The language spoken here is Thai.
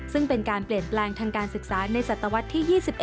ซึ่งเป็นการเปลี่ยนแปลงทางการศึกษาในศตวรรษที่๒๑